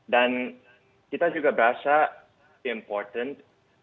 dan kita juga merasa penting